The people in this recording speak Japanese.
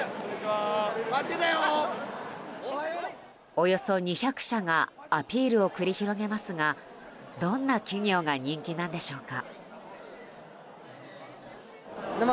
およそ２００社がアピールを繰り広げますがどんな企業が人気なんでしょうか。